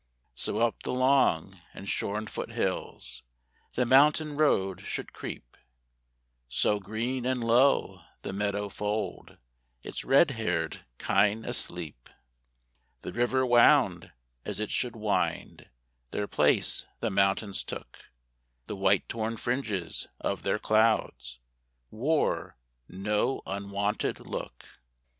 So up the long and shorn foot hills The mountain road should creep; So, green and low, the meadow fold Its red haired kine asleep. The river wound as it should wind; Their place the mountains took; The white torn fringes of their clouds Wore no unwonted look.